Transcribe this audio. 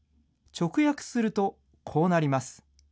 直訳すると、こうなります。